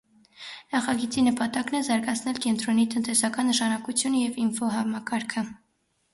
Նախագծի նպատակն է զարգացնել կենտրոնի տնտեսական նշանակությունը և ինֆոհամակարգը։